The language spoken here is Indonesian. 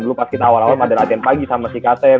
dulu pas kita awal awal ada latihan pagi sama si ktm